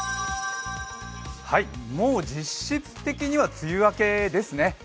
もう実質的には梅雨明けですね。